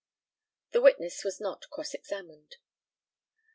The witness was not cross examined.